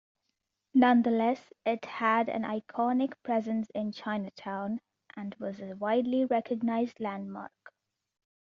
Nonetheless, it had an iconic presence in Chinatown, and was a widely recognised landmark.